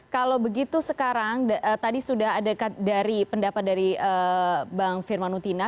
kalau begitu sekarang tadi sudah ada pendapat dari bang firman uthina